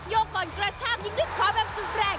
ก่อนกระชากยิงด้วยขวาแบบสุดแรง